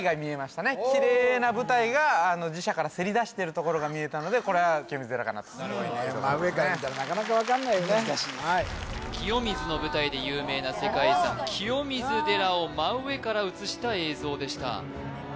キレイな舞台が寺社からせり出してるところが見えたのでこれは清水寺かなとすごいね清水の舞台で有名な世界遺産清水寺を真上から映した映像でした